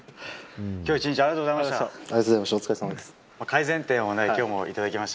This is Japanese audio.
きょう一日、ありがとうございました。